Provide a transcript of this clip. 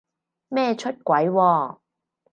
咩出軌喎？